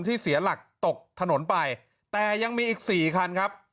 เสียหลักตกถนนไปแต่ยังมีอีกสี่คันครับ